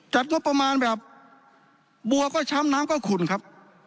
จัดงบประมาณแบบบัวก็ช้ำน้ำก็ขุ่นครับ